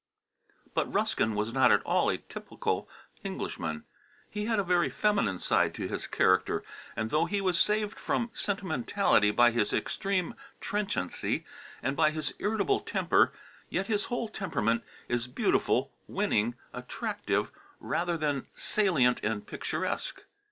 But Ruskin was not at all a typical Englishman; he had a very feminine side to his character, and though he was saved from sentimentality by his extreme trenchancy, and by his irritable temper, yet his whole temperament is beautiful, winning, attractive, rather than salient and picturesque.